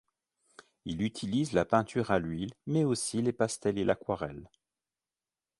Il utilise la peinture à l'huile mais aussi les pastels et l'aquarelle.